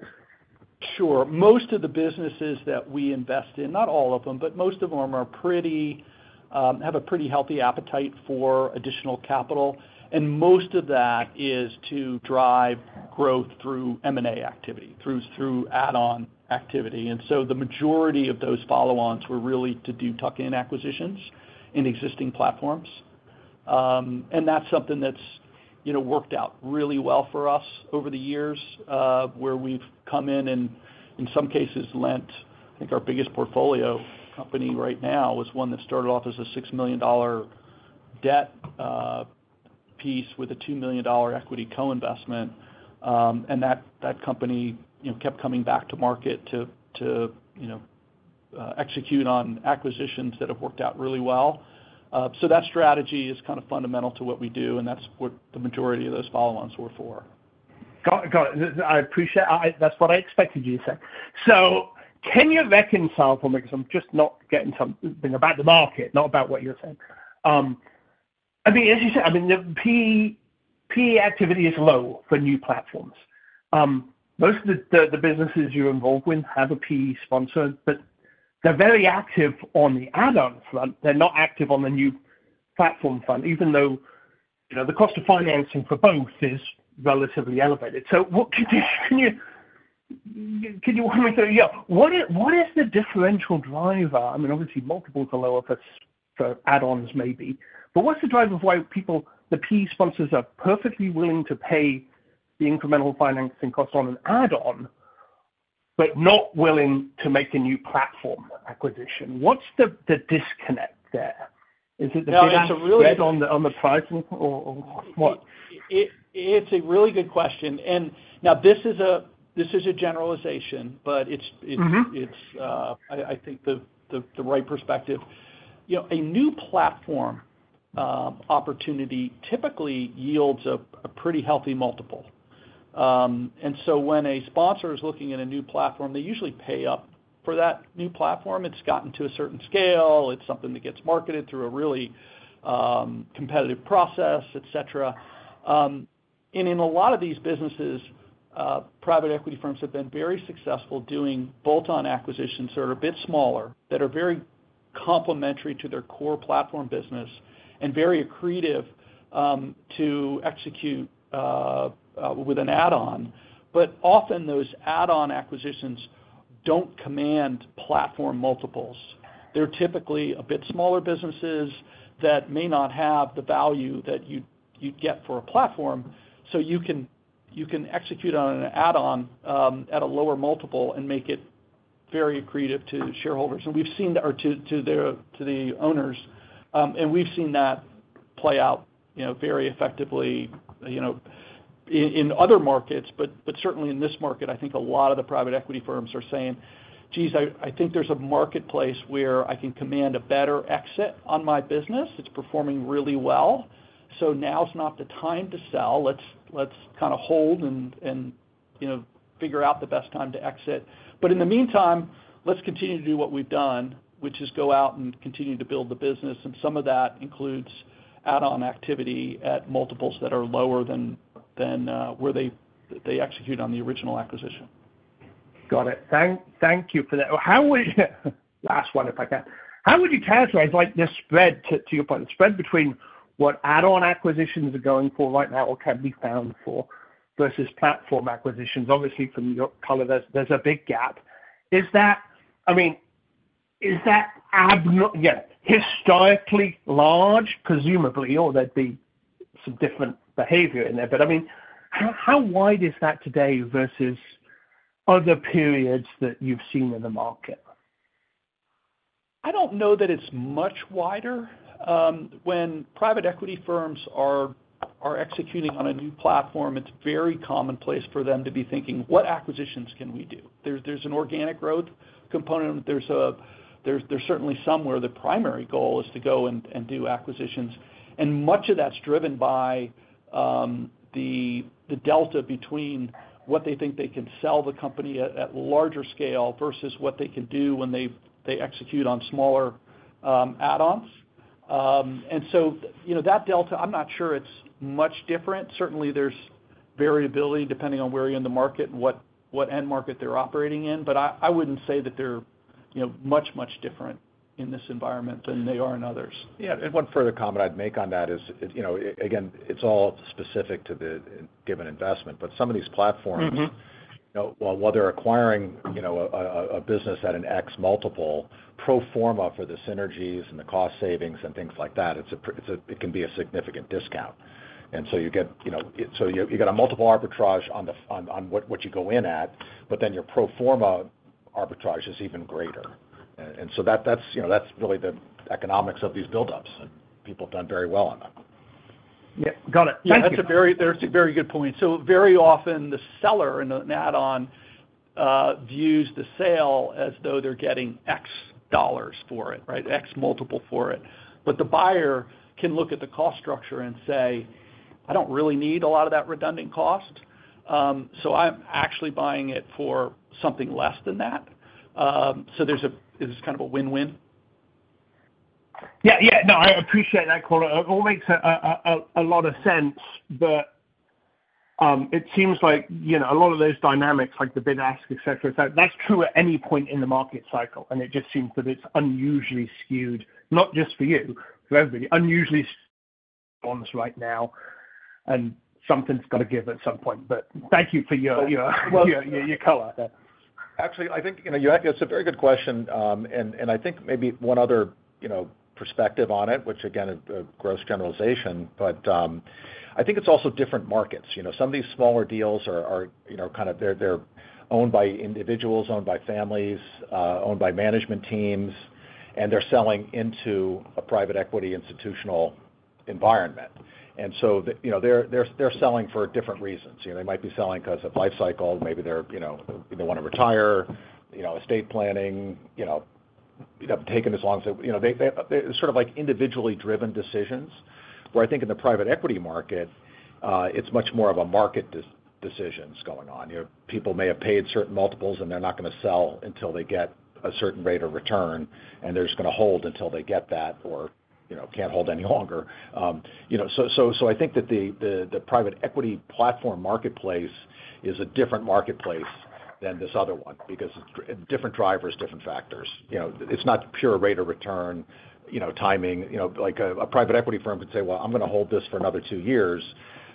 Sure. Most of the businesses that we invest in, not all of them, but most of them have a pretty healthy appetite for additional capital. And most of that is to drive growth through M&A activity, through add-on activity. And so the majority of those follow-ons were really to do tuck-in acquisitions in existing platforms. And that's something that's worked out really well for us over the years where we've come in and, in some cases, lent. I think our biggest portfolio company right now was one that started off as a $6 million debt piece with a $2 million equity co-investment. And that company kept coming back to market to execute on acquisitions that have worked out really well. So that strategy is kind of fundamental to what we do, and that's what the majority of those follow-ons were for. Got it. I appreciate that. That's what I expected you to say. So can you reconcile for me because I'm just not getting something about the market, not about what you're saying? I mean, as you said, I mean, the PE activity is low for new platforms. Most of the businesses you're involved with have a PE sponsor, but they're very active on the add-on front. They're not active on the new platform front, even though the cost of financing for both is relatively elevated. So can you walk me through? Yeah. What is the differential driver? I mean, obviously, multiples are lower for add-ons maybe. But what's the driver of why people, the PE sponsors, are perfectly willing to pay the incremental financing cost on an add-on but not willing to make a new platform acquisition? What's the disconnect there? Is it the biggest spread on the pricing or what? It's a really good question. Now, this is a generalization, but I think the right perspective. A new platform opportunity typically yields a pretty healthy multiple. So when a sponsor is looking at a new platform, they usually pay up for that new platform. It's gotten to a certain scale. It's something that gets marketed through a really competitive process, etc. In a lot of these businesses, private equity firms have been very successful doing bolt-on acquisitions that are a bit smaller, that are very complementary to their core platform business, and very accretive to execute with an add-on. Often, those add-on acquisitions don't command platform multiples. They're typically a bit smaller businesses that may not have the value that you'd get for a platform. You can execute on an add-on at a lower multiple and make it very accretive to shareholders. And we've seen that to the owners. And we've seen that play out very effectively in other markets. But certainly, in this market, I think a lot of the private equity firms are saying, "Geez, I think there's a marketplace where I can command a better exit on my business. It's performing really well. So now's not the time to sell. Let's kind of hold and figure out the best time to exit. But in the meantime, let's continue to do what we've done, which is go out and continue to build the business." And some of that includes add-on activity at multiples that are lower than where they execute on the original acquisition. Got it. Thank you for that. Last one, if I can. How would you characterize this spread, to your point, the spread between what add-on acquisitions are going for right now or can be found for versus platform acquisitions? Obviously, from your color, there's a big gap. I mean, is that historically large? Presumably, or there'd be some different behavior in there. But I mean, how wide is that today versus other periods that you've seen in the market? I don't know that it's much wider. When private equity firms are executing on a new platform, it's very commonplace for them to be thinking, "What acquisitions can we do?" There's an organic growth component. There's certainly somewhere the primary goal is to go and do acquisitions. And much of that's driven by the delta between what they think they can sell the company at larger scale versus what they can do when they execute on smaller add-ons. And so that delta, I'm not sure it's much different. Certainly, there's variability depending on where you're in the market and what end market they're operating in. But I wouldn't say that they're much, much different in this environment than they are in others. Yeah. And one further comment I'd make on that is, again, it's all specific to the given investment. But some of these platforms, while they're acquiring a business at an X multiple, pro forma for the synergies and the cost savings and things like that, it can be a significant discount. And so you got a multiple arbitrage on what you go in at, but then your pro forma arbitrage is even greater. And so that's really the economics of these build-ups. And people have done very well on them. Yeah. Got it. Thank you. That's a very good point. So very often, the seller in an add-on views the sale as though they're getting X dollars for it, right, X multiple for it. But the buyer can look at the cost structure and say, "I don't really need a lot of that redundant cost. So I'm actually buying it for something less than that." So there's kind of a win-win. Yeah. Yeah. No, I appreciate that quote. It all makes a lot of sense. But it seems like a lot of those dynamics, like the bid-ask etc., that's true at any point in the market cycle. And it just seems that it's unusually skewed, not just for you, for everybody, unusually ones right now. And something's got to give at some point. But thank you for your color. Absolutely. I think you asked a very good question. I think maybe one other perspective on it, which again, is a gross generalization, but I think it's also different markets. Some of these smaller deals are kind of they're owned by individuals, owned by families, owned by management teams, and they're selling into a private equity institutional environment. And so they're selling for different reasons. They might be selling because of life cycle. Maybe they want to retire, estate planning, taking as long as they sort of like individually driven decisions, where I think in the private equity market, it's much more of a market decisions going on. People may have paid certain multiples, and they're not going to sell until they get a certain rate of return, and they're just going to hold until they get that or can't hold any longer. So I think that the private equity platform marketplace is a different marketplace than this other one because different drivers, different factors. It's not pure rate of return timing. A private equity firm could say, "Well, I'm going to hold this for another two years."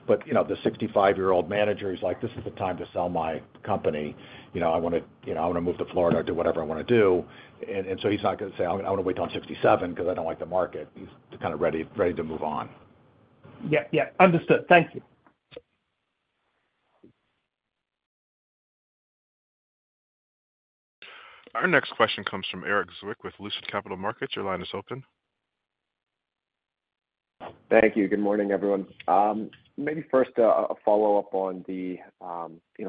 But the 65-year-old manager is like, "This is the time to sell my company. I want to move to Florida or do whatever I want to do." And so he's not going to say, "I want to wait until I'm 67 because I don't like the market." He's kind of ready to move on. Yeah. Yeah. Understood. Thank you. Our next question comes from Erik Zwick with Lucid Capital Markets. Your line is open. Thank you. Good morning, everyone. Maybe first, a follow-up on the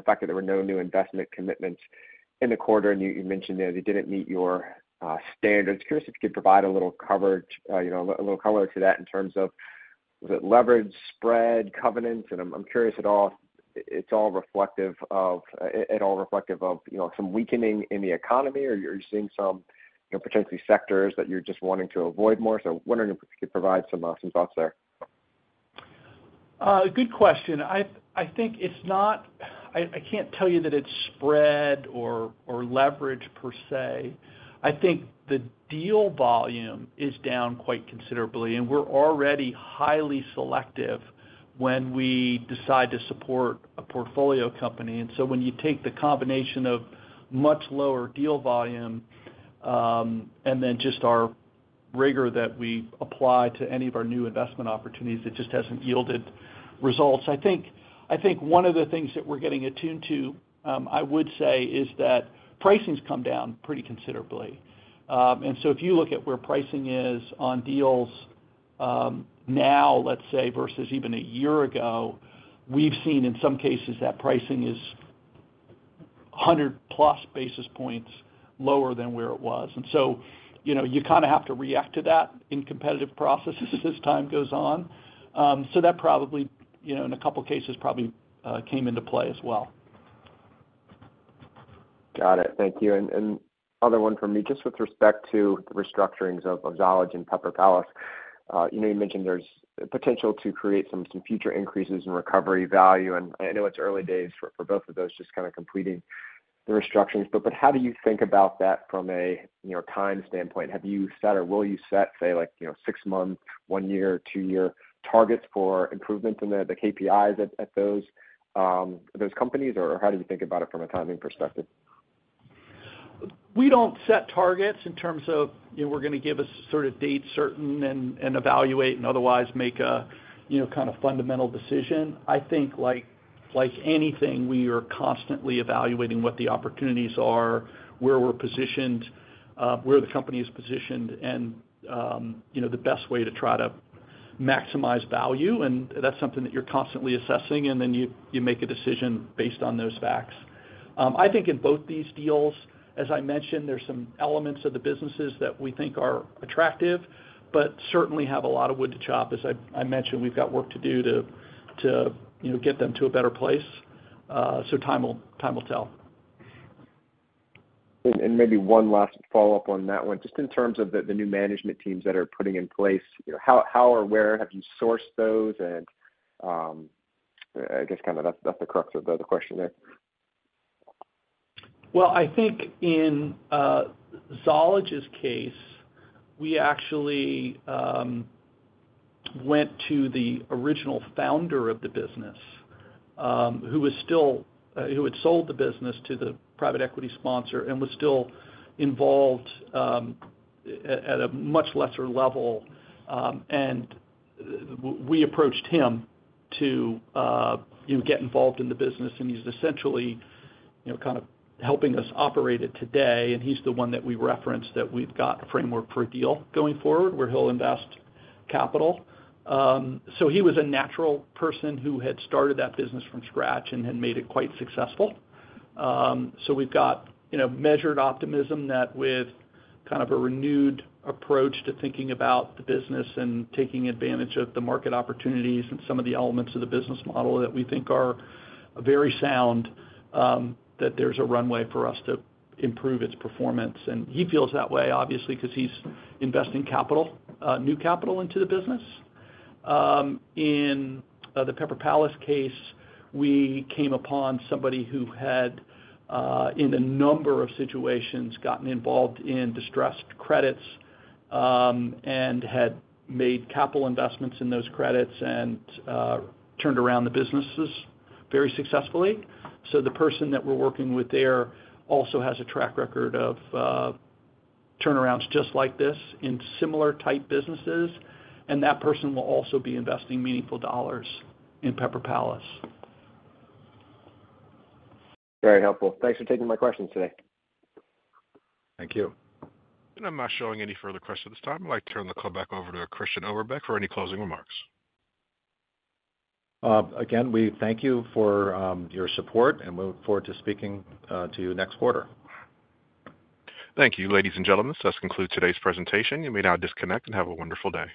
fact that there were no new investment commitments in the quarter. You mentioned they didn't meet your standards. Curious if you could provide a little coverage, a little color to that in terms of was it leverage, spread, covenants? I'm curious if it's all reflective of it all reflective of some weakening in the economy, or are you seeing some potentially sectors that you're just wanting to avoid more? Wondering if you could provide some thoughts there. Good question. I think it's not. I can't tell you that it's spread or leverage per se. I think the deal volume is down quite considerably. And we're already highly selective when we decide to support a portfolio company. And so when you take the combination of much lower deal volume and then just our rigor that we apply to any of our new investment opportunities, it just hasn't yielded results. I think one of the things that we're getting attuned to, I would say, is that pricing's come down pretty considerably. And so if you look at where pricing is on deals now, let's say, versus even a year ago, we've seen in some cases that pricing is 100+ basis points lower than where it was. And so you kind of have to react to that in competitive processes as time goes on. That probably, in a couple of cases, probably came into play as well. Got it. Thank you. And another one from me, just with respect to the restructurings of Zollege and Pepper Palace. You mentioned there's potential to create some future increases in recovery value. And I know it's early days for both of those just kind of completing the restructurings. But how do you think about that from a time standpoint? Have you set or will you set, say, six-month, one-year, two-year targets for improvements in the KPIs at those companies? Or how do you think about it from a timing perspective? We don't set targets in terms of we're going to give a sort of date certain and evaluate and otherwise make a kind of fundamental decision. I think like anything, we are constantly evaluating what the opportunities are, where we're positioned, where the company is positioned, and the best way to try to maximize value. And that's something that you're constantly assessing. And then you make a decision based on those facts. I think in both these deals, as I mentioned, there's some elements of the businesses that we think are attractive, but certainly have a lot of wood to chop. As I mentioned, we've got work to do to get them to a better place. So time will tell. And maybe one last follow-up on that one, just in terms of the new management teams that are putting in place, how or where have you sourced those? And I guess kind of that's the crux of the question there. Well, I think in Zollege's case, we actually went to the original founder of the business who had sold the business to the private equity sponsor and was still involved at a much lesser level. And we approached him to get involved in the business. And he's essentially kind of helping us operate it today. And he's the one that we referenced that we've got a framework for a deal going forward where he'll invest capital. So he was a natural person who had started that business from scratch and had made it quite successful. So we've got measured optimism that with kind of a renewed approach to thinking about the business and taking advantage of the market opportunities and some of the elements of the business model that we think are very sound, that there's a runway for us to improve its performance. And he feels that way, obviously, because he's investing capital, new capital into the business. In the Pepper Palace case, we came upon somebody who had, in a number of situations, gotten involved in distressed credits and had made capital investments in those credits and turned around the businesses very successfully. So the person that we're working with there also has a track record of turnarounds just like this in similar type businesses. And that person will also be investing meaningful dollars in Pepper Palace. Very helpful. Thanks for taking my questions today. Thank you. I'm not showing any further questions at this time. I'd like to turn the call back over to Christian Oberbeck for any closing remarks. Again, we thank you for your support, and we look forward to speaking to you next quarter. Thank you, ladies and gentlemen. So that concludes today's presentation. You may now disconnect and have a wonderful day.